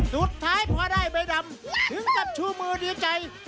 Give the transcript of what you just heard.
สุดท้ายพอได้ใบดำถึงกับชูมือดีใจ